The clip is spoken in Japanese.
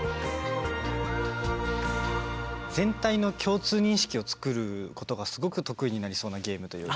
全体の共通認識を作ることがすごく得意になりそうなゲームというか。